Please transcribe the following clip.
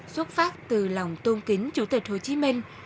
xuất phát từ lòng tôn kính chủ tịch hồ chí minh